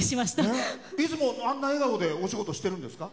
いつもあんな笑顔でお仕事してるんですか？